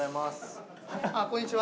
こんにちは。